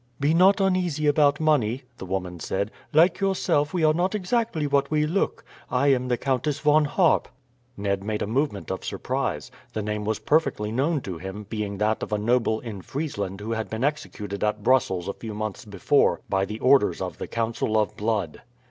"Be not uneasy about money," the woman said. "Like yourself, we are not exactly what we look. I am the Countess Von Harp." Ned made a movement of surprise. The name was perfectly known to him, being that of a noble in Friesland who had been executed at Brussels a few months before by the orders of the Council of Blood.